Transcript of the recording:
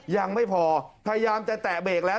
ยังไม่พอพยายามจะแตะเบรกแล้ว